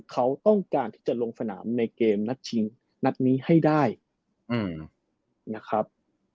เขาต้องการที่จะลงสนามในเกมนัดชิงนัดนี้ให้ได้นะครับ